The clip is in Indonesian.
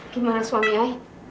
gimana suami ayah